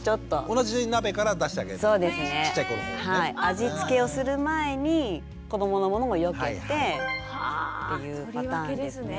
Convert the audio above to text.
味付けをする前に子どものものをよけてっていうパターンですね。